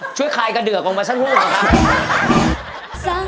ช่วยคลายกระเดือกออกมาช่างพวกเหรอครับ